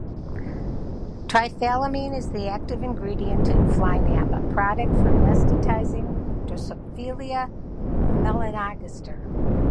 Triethylamine is the active ingredient in FlyNap, a product for anesthetizing "Drosophila melanogaster".